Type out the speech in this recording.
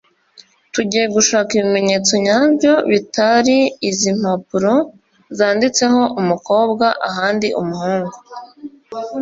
tugiye gushaka ibimenyetso nyabyo bitari izi mpapuro zanditseho umukobwa ahandi umuhungu